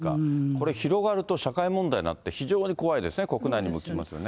これ、広がると、社会問題になって、非常に怖いですね、国内に向きますよね。